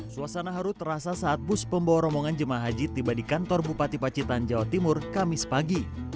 suasana haru terasa saat bus pembawa rombongan jemaah haji tiba di kantor bupati pacitan jawa timur kamis pagi